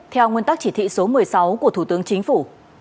theo nguyên tắc chỉ thị số một mươi sáu của thủ tướng chính phủ